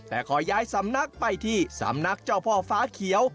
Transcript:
แต่ขอย้ายสำนักไปที่สำนักเจ้าพ่อฟ้าเขียว